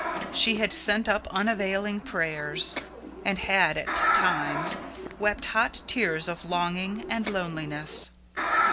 She had sent up unavailing prayers she had, at times, wept hot tears of longing and loneliness.